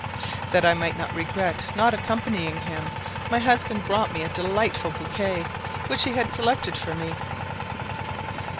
That I might not regret not accompanying him, my husband brought me a delightful bouquet, which he had selected for me.